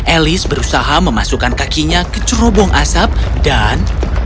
elis berusaha memasukkan kakinya ke cerobong asap dan